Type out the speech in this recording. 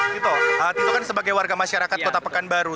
tito tito kan sebagai warga masyarakat kota pekanbaru